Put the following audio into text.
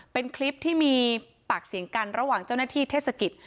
เป็นคลิปที่มีปากเสียงกันระหว่างเจ้าหน้าที่เทศกิจ